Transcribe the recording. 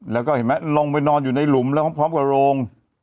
แล้วก็เห็นไหมลงไปนอนอยู่ในหลุมแล้วพร้อมกับโรง